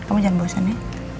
kamu jangan bosan ya